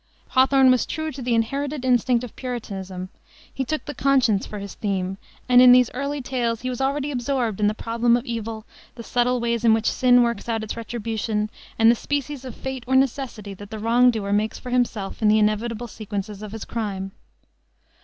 Hawthorne was true to the inherited instinct of Puritanism; he took the conscience for his theme, and in these early tales he was already absorbed in the problem of evil, the subtle ways in which sin works out its retribution, and the species of fate or necessity that the wrong doer makes for himself in the inevitable sequences of his crime.